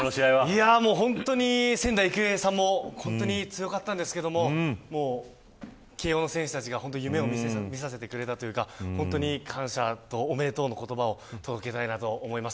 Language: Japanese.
本当に仙台育英さんも強かったんですけど慶応の選手たちが夢を見させてくれたというか本当に感謝とおめでとうの言葉を届けたいと思います。